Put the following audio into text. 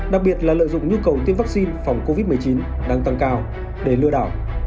đặc biệt là lợi dụng nhu cầu tiêm vaccine phòng covid một mươi chín đang tăng cao để lừa đảo